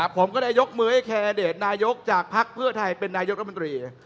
ผมก็จะยกมือให้แคดเดตนายกจากพักเพื่อไทยเป็นนายกนมตรี